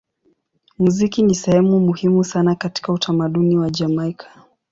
Muziki ni sehemu muhimu sana katika utamaduni wa Jamaika.